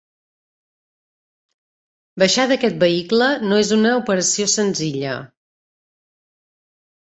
Baixar d'aquest vehicle no és una operació senzilla.